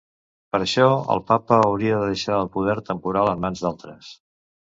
Per això, el papa hauria de deixar el poder temporal en mans d'altres.